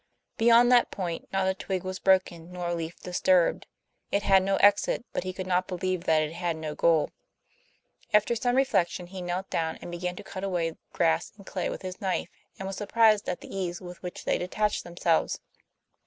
Beyond that point not a twig was broken nor a leaf disturbed. It had no exit, but he could not believe that it had no goal. After some further reflection, he knelt down and began to cut away grass and clay with his knife, and was surprised at the ease with which they detached themselves.